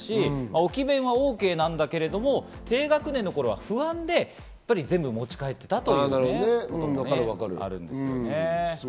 置き勉はＯＫなんだけど、低学年の頃は不安で全部持ち帰っていたということもあるんですね。